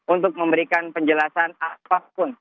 untuk memberikan penjelasan apapun